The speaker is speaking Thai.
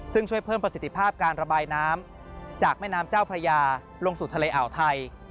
ซึ่งช่วยเพิ่มประสิทธิภาพการระบายน้ำจากแม่น้ำเจ้าพระยาลงสู่ทะเลอ่าวไทย